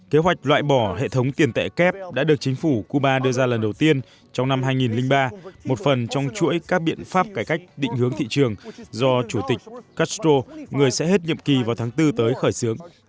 kế hoạch loại bỏ hệ thống tiền tệ kép đã được chính phủ cuba đưa ra lần đầu tiên trong năm hai nghìn ba một phần trong chuỗi các biện pháp cải cách định hướng thị trường do chủ tịch castro người sẽ hết nhiệm kỳ vào tháng bốn tới khởi xướng